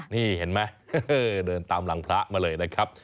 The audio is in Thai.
นี่เห็นไหมเดินตามหลังพระมาเลยนะครับ